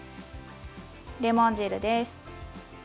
レモン汁です。